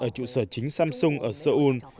ở trụ sở chính samsung ở seoul